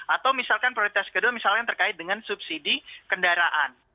atau misalkan prioritas kedua misalnya terkait dengan subsidi kendaraan